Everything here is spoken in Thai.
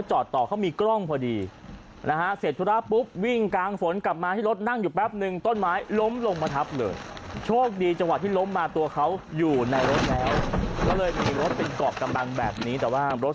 โชคดีเวลาที่ล้มมาตัวเขาอยู่ในรถแล้ว